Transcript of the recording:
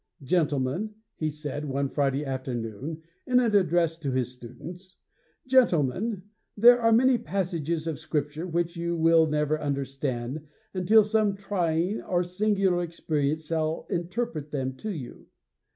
'Gentlemen,' he said, one Friday afternoon, in an address to his students, 'Gentlemen, there are many passages of Scripture which you will never understand until some trying or singular experience shall interpret them to you.